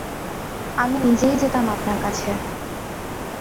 আমি নিজেই যেতাম আপনার কাছে।